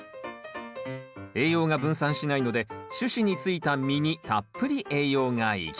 栄養が分散しないので主枝についた実にたっぷり栄養が行き渡ります